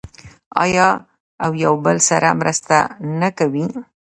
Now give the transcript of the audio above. آیا او یو بل سره مرسته نه کوي؟